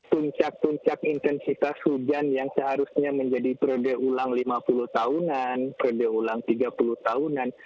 puncak puncak intensitas hujan yang seharusnya menjadi periode ulang lima puluh tahunan periode ulang tiga puluh tahunan